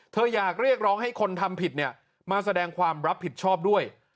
อยากเรียกร้องให้คนทำผิดเนี่ยมาแสดงความรับผิดชอบด้วย